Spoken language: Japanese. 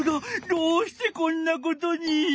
どうしてこんなことに！